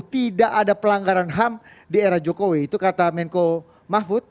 tidak ada pelanggaran ham di era jokowi itu kata menko mahfud